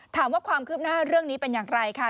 ถามว่าความคืบหน้าเรื่องนี้เป็นอย่างไรค่ะ